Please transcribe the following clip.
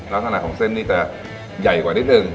แล้วสำหรับของเส้นนี่จะใหญ่กว่านิดหนึ่ง